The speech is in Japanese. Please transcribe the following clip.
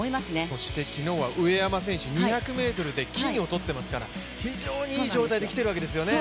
そして昨日は上山選手、２００ｍで金をとっていますから、非常にいい状態できているわけですよね。